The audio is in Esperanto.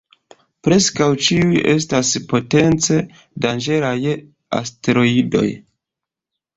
Preskaŭ ĉiuj estas potence danĝeraj asteroidoj.